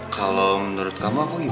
kalo menurut kamu aku gimana